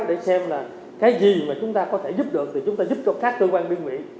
để xem là cái gì mà chúng ta có thể giúp được thì chúng ta giúp cho các cơ quan biên nguyện